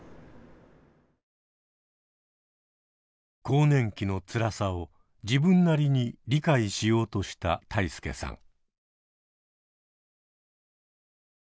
更年期のつらさを自分なりに理解しようとした泰亮さん。